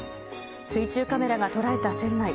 水中カメラが捉えた船内。